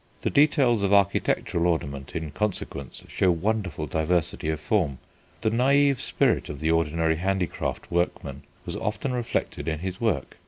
The details of architectural ornament, in consequence, show wonderful diversity of form. The naïve spirit of the ordinary handicraft workman was often reflected in his work.